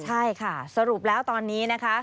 ใช่ค่ะสรุปแล้วตอนนี้นะคะ